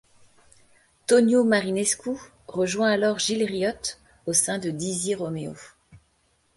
Tonio Marinescu rejoint alors Gil Riot au sein de Dizzy Roméo.